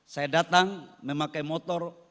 saya datang memakai motor